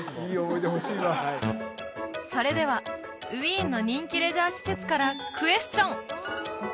思い出欲しいわそれではウィーンの人気レジャー施設からクエスチョン